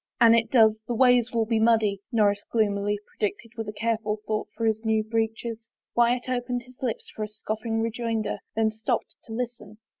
" An it does, the ways will be muddy," Norris gloom ily predicted with a careful thought for his new breeches. Wyatt opened his lips for a scoffing rejoinder, then stopped to listen.